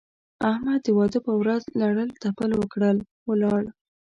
احمد د واده په ورځ لړل تپل وکړل؛ ولاړ.